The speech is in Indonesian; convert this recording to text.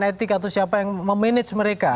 etik atau siapa yang memanage mereka